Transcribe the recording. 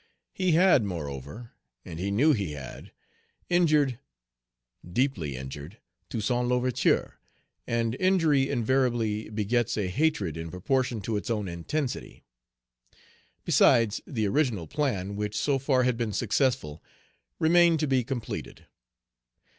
He had, moreover, and he knew he had, injured, deeply injured, Toussaint L'Ouverture, and injury invariably begets a hatred in proportion to its own intensity. Besides, the original plan, which so far had been successful, remained to be completed.